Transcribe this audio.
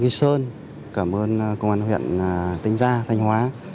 quý sơn cảm ơn công an huyện tĩnh gia thanh hóa